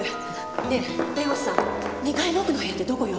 ねえ弁護士さん２階の奥の部屋ってどこよ？